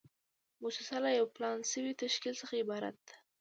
موسسه له یو پلان شوي تشکیل څخه عبارت ده.